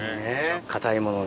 硬いものに。